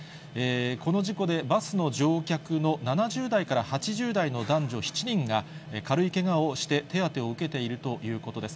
この事故で、バスの乗客の７０代から８０代の男女７人が軽いけがをして、手当てを受けているということです。